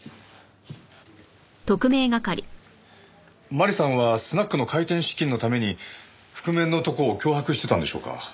麻里さんはスナックの開店資金のために覆面の男を脅迫してたんでしょうか？